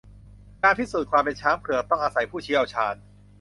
การพิสูจน์ความเป็นช้างเผือก ต้องอาศัยผู้เชี่ยวชาญ